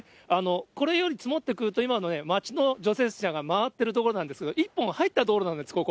これより積もってくると、今の町の除雪車が回ってる所なんですが、一本入った道路なんです、ここ。